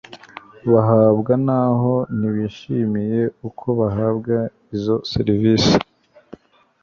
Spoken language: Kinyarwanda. bahabwa naho ntibishimiye uko bahabwa izo serivisi